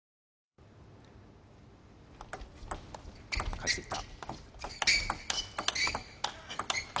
返していった。